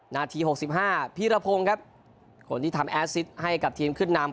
นาทีหกสิบห้าพีรพงศ์ครับคนที่ทำให้กับทีมขึ้นนำ